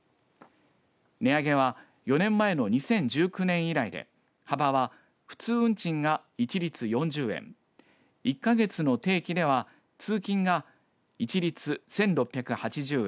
値上げは４年前の２０１９年以来で幅は普通運賃が一律４０円１か月の定期では通勤が、一律１６８０円